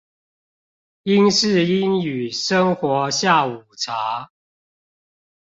英式英語生活下午茶